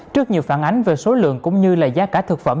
trước nhiều phản ánh về số lượng cũng như là giá cả thực phẩm